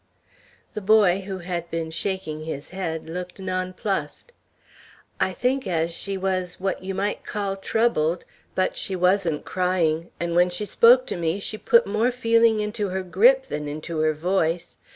The boy, who had been shaking his head, looked nonplussed. "I think as she was what you might call troubled. But she wasn't crying, and when she spoke to me, she put more feeling into her grip than into her voice.